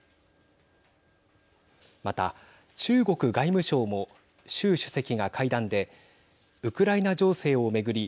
また、中国外務省も習主席が会談でウクライナ情勢を巡り